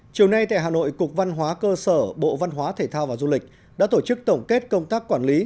chiều nay tại hà nội cục văn hóa cơ sở bộ văn hóa thể thao và du lịch đã tổ chức tổng kết công tác quản lý